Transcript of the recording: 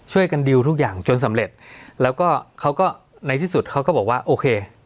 ดิวทุกอย่างจนสำเร็จแล้วก็เขาก็ในที่สุดเขาก็บอกว่าโอเค